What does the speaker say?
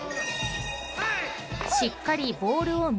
［しっかりボールを見て捕る］